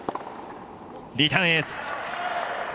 リターンエース！